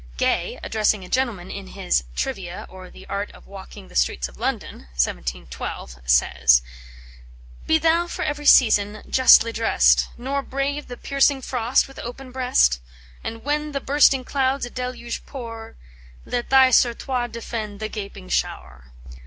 Gay, addressing a gentleman, in his "Trivia, or the Art of Walking the Streets of London" (1712), says: "Be thou for every season justly dress'd, Nor brave the piercing frost with open breast: And when the bursting clouds a deluge pour. Let thy surtout defend the gaping shower."